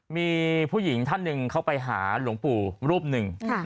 มีผู้หญิงท่านหนึ่งเขาไปหาหลวงปู่รูปหนึ่ง